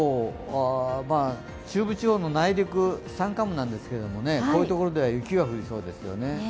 中部地方の内陸、山間部なんですけど、こういうところでは雪が降りそうですよね。